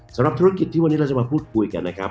สำหรับธุรกิจที่วันนี้เราจะมาพูดคุยกันนะครับ